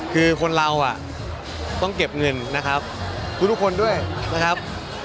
คือคนเราต้องเก็บเงินนะครับทุกคนด้วยนะครับ